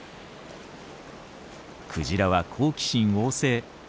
クジラは好奇心旺盛。